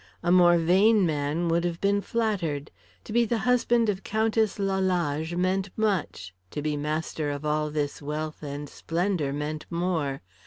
A more vain man would have been flattered. To be the husband of Countess Lalage meant much, to be master of all this wealth and splendour meant more.